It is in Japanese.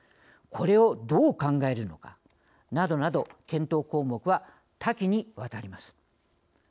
これをどう考えるのか、などなど検討項目は多岐にわたります。